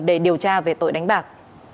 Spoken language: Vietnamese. để điều tra về tội đánh bạc